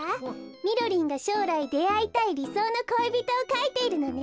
みろりんがしょうらいであいたいりそうの恋人をかいているのね。